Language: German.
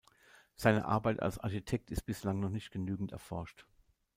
Seine Arbeit als Architekt ist bislang noch nicht genügend erforscht.